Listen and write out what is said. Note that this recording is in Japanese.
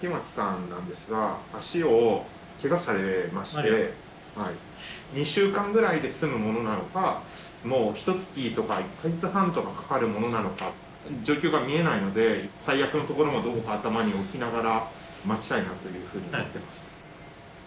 ちょっと１つ２週間ぐらいで済むものなのかもうひと月とか１か月半とかかかるものなのか状況が見えないので最悪のところもどこか頭に置きながら待ちたいなというふうに思ってます。